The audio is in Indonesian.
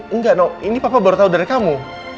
enggak noh ini papa baru tau dari kamu